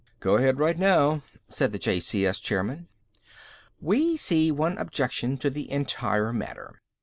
"Go ahead right now," said the JCS chairman. "We see one objection to the entire matter.